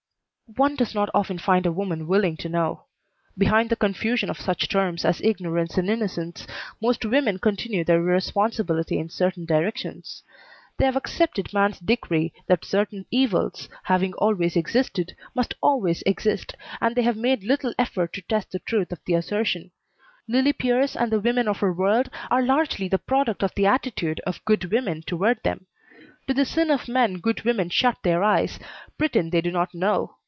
"One does not often find a woman willing to know. Behind the confusion of such terms as ignorance and innocence most women continue their irresponsibility in certain directions. They have accepted man's decree that certain evils, having always existed, must always exist, and they have made little effort to test the truth of the assertion. Lillie Pierce and the women of her world are largely the product of the attitude of good women toward them. To the sin of men good women shut their eyes, pretend they do not know.